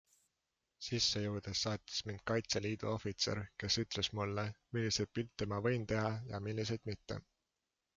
Sisse jõudes saatis mind Kaitseliidu ohvitser, kes ütles mulle, milliseid pilte ma võin teha ja milliseid mitte.